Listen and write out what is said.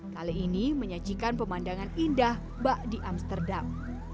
kali ini menyajikan pemandangan indah bak di amsterdam